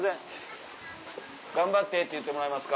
「頑張って」って言ってもらえますか？